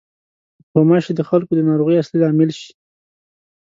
غوماشې د خلکو د ناروغۍ اصلي لامل شي.